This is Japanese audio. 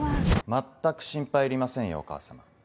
全く心配いりませんよお母様。